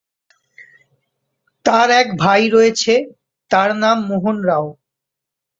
তার এক ভাই রয়েছে, তার নাম মোহন রাও।